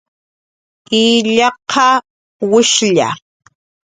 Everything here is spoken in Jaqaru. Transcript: illaqa, wishlla